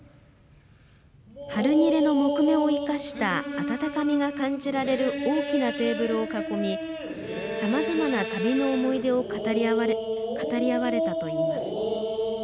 ハルニレの木目を生かした温かみが感じられる大きなテーブルを囲みさまざまな旅の思い出を語り合われたといいます。